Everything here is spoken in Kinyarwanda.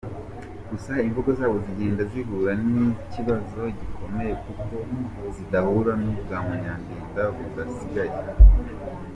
Gusa imvugo zabo zigenda zihura n’ikibazo gikomeye kuko zidahura, n’ubwa Munyandinda budasigaye.